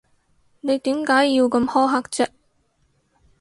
你點解要咁苛刻啫？